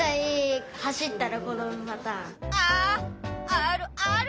あるある！